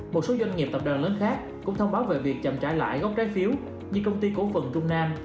một số doanh nghiệp tập đoàn lớn khác cũng thông báo về việc chậm trả lãi gốc trái phiếu như công ty cố phận trung nam